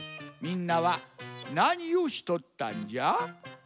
みんなはなにをしとったんじゃ？